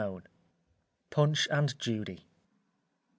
PUNCH AND JUDY.